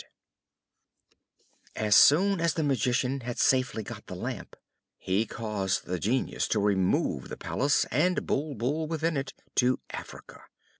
As soon as the Magician had safely got the Lamp, he caused the Genius to remove the Palace, and Bulbul within it, to Africa.